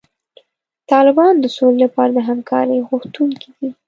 طالبان د سولې لپاره د همکارۍ غوښتونکي دي.